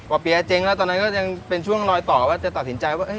เปี๊ยเจ๊งแล้วตอนนั้นก็ยังเป็นช่วงรอยต่อว่าจะตัดสินใจว่า